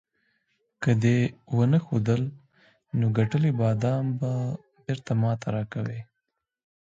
که دې ونه ښودل، نو ګټلي بادام به بیرته ماته راکوې.